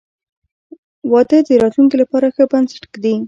• واده د راتلونکي لپاره ښه بنسټ ږدي.